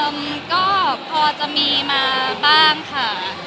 อุ่มพอจะมีมาบ้างค่ะ